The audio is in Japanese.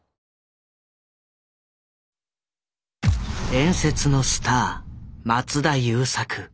伝説のスター松田優作。